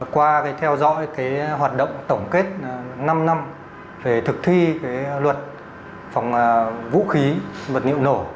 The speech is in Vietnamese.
qua theo dõi hoạt động tổng kết năm năm về thực thi luật vũ khí vật nhiễu nổ